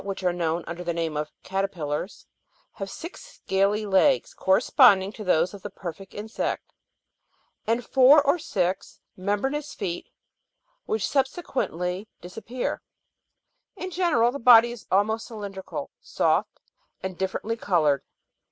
which are known under the name of caterpillars (Jigs. 17 and 18), have six scaly legs corresponding to those of the perfect insert, and four or six membranous feet which subsequently dis appear; in general the body is almost cylindrical, soft, and dif ferently coloured.